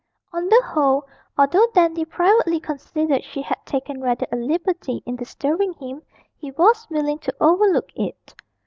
On the whole, although Dandy privately considered she had taken rather a liberty in disturbing him, he was willing to overlook it.